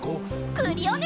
クリオネ！